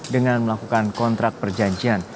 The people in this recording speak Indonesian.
dengan melakukan kontrak perjanjian